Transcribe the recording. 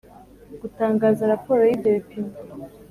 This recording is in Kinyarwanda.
gutangaza raporo y ibyo bipimo.